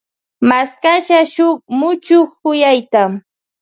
Mashkasha shun muchuk kuyayta.